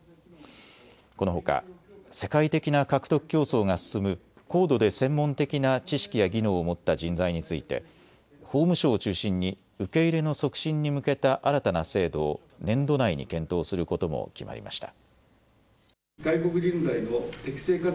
このほか世界的な獲得競争が進む高度で専門的な知識や技能を持った人材について法務省を中心に受け入れの促進に向けた新たな制度を年度内に検討することも決まりました。